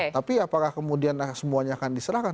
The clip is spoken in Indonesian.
tapi apakah kemudian semuanya akan diserahkan